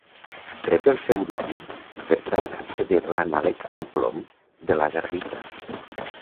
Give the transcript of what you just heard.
Rep el seu nom per tractar-se de l'anàleg amb plom de l'agardita.